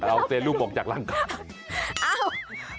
เอาเซรุมบอกอยากลั่งก่อน